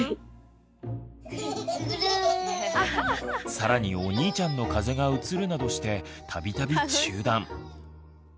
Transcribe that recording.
更にお兄ちゃんの風邪がうつるなどして度々中断。